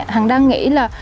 hằng đang nghĩ là